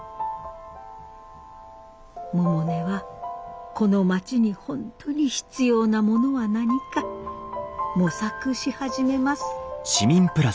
百音はこの町に本当に必要なものは何か模索し始めます。